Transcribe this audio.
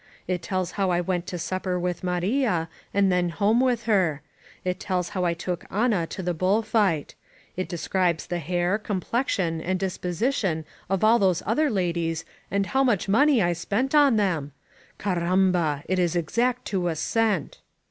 It tells how I went to supper with Maria and then home with her. It tells how I took Ana to the bull fight. It describes the hair, complexion and disposition of all those other ladies and how much money I spent upon them. Carraniba! It is exact to a cent!